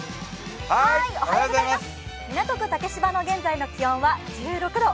港区竹芝の現在の気温は１６度。